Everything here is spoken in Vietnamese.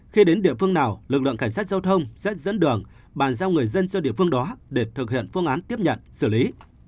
khi đến địa phương nào lực lượng cảnh sát giao thông sẽ dẫn đường bàn giao người dân cho địa phương đó để thực hiện phương án tiếp nhận xử lý